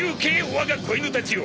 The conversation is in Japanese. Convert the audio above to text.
我が小犬たちよ！